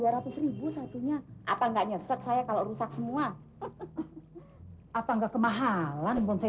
dua ratus ribu satunya apa enggak nyesek saya kalau rusak semua apa enggak kemahalan bonsai